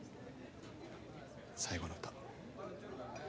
最後の歌。